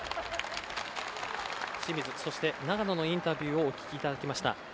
清水、長野のインタビューをお聞きいただきました。